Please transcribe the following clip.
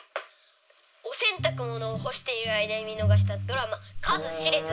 おせんたくものをほしている間に見のがしたドラマ数知れず。